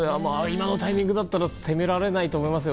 今のタイミングだったら責められないと思いますよ。